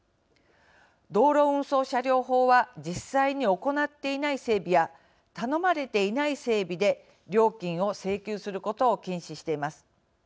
道路運送車両法は実際に行っていない整備や頼まれていない整備で料金を請求することを禁止しています。